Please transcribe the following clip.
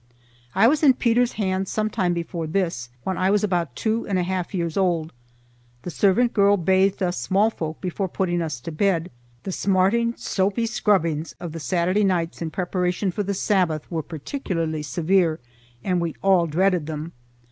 I was in Peter's hands some time before this, when I was about two and a half years old. The servant girl bathed us small folk before putting us to bed. The smarting soapy scrubbings of the Saturday nights in preparation for the Sabbath were particularly severe, and we all dreaded them.